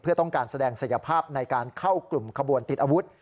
เพื่อต้องการแสดงศักยภาพในการเข้ากลุ่มขบวนติดอาวุธ